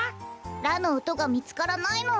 ラのおとがみつからないの。